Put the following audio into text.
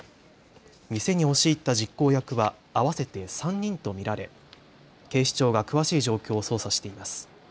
店に押し入った実行役は合わせて３人と見られ警視庁が詳しい状況を捜査しています。